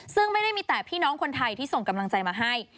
ซึ่งไม่ได้มีแต่พี่น้องคนไทยที่ส่งกำลังใจมาให้